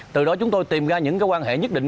từ đó chúng tôi tìm ra những quan hệ nhất định